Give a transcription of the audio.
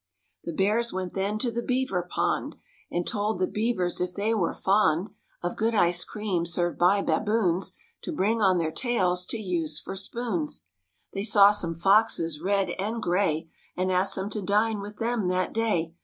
The Bears went then to the beaver pond And told the beavers if they were fond Of good ice cream served by baboons To bring on their tails to use for spoons. Ill 1 *3»s# 5 Wv/XI They saw some foxes red and gray And asked them to dine with them that day.